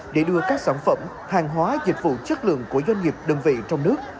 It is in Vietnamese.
để đưa các sản phẩm hàng hóa dịch vụ chất lượng của doanh nghiệp đơn vị trong nước